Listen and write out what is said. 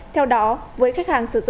theo đó với khách hàng sử dụng điện